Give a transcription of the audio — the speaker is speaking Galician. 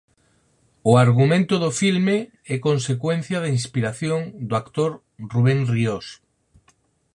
O argumento do filme é consecuencia da inspiración do actor Rubén Riós.